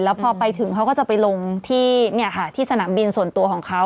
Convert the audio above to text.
แล้วพอไปถึงเขาก็จะไปลงที่สนามบินส่วนตัวของเขา